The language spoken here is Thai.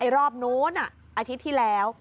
รอบนู้นอาทิตย์ที่แล้ว